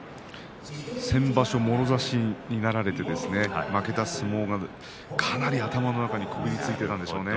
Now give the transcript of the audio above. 先場所もろ差しになって負けた相撲がかなり頭の中にこびりついていたんでしょうね。